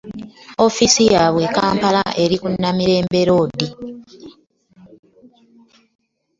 Ofiisi yaabwe e Kampala eri ku Namirembe Road.